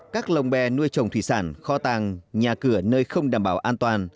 các lồng bè nuôi trồng thủy sản kho tàng nhà cửa nơi không đảm bảo an toàn